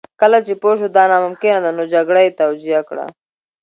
کله چې پوه شو دا ناممکنه ده نو جګړه یې توجیه کړه